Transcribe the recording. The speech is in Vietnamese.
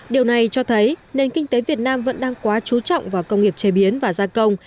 điều này cho thấy nền kinh tế việt nam vẫn đang quá chú trọng vào công nghiệp chế biến và gia công